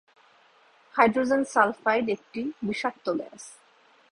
Hydrogen sulphide একটি বিষাক্ত gas.